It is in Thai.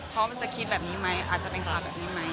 เพราะมันจะคิดแบบนี้ไหมอาจจะเป็นข่าวแบบนี้ไหม